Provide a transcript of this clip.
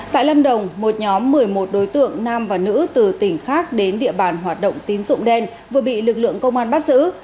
tại lâm đồng một nhóm một mươi một đối tượng nam và nữ từ tỉnh khác đến địa bàn hoạt động tín dụng đen vừa bị lực lượng công an bắt giữ